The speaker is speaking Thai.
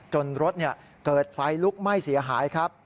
รถเกิดไฟลุกไหม้เสียหายครับ